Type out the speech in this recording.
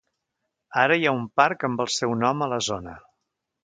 Ara hi ha un parc amb el seu nom a la zona.